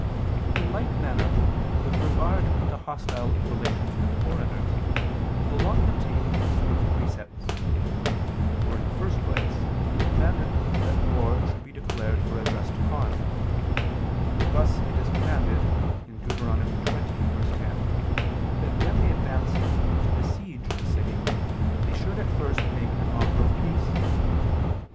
In like manner with regard to hostile relations with foreigners, the Law contained suitable precepts. For, in the first place, it commanded that war should be declared for a just cause: thus it is commanded (Deut. 20:10) that when they advanced to besiege a city, they should at first make an offer of peace.